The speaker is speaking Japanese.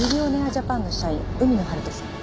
ジャパンの社員海野春人さん。